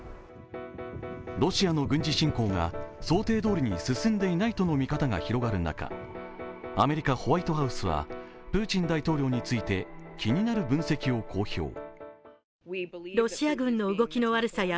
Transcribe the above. ロシアの軍事侵攻が想定通りに進んでいないとの見方が広がる中アメリカ・ホワイトハウスはプーチン大統領について気になる分析を公表。